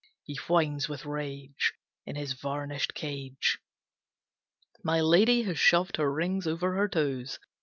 He whines with rage In his varnished cage. My lady has shoved her rings over her toes.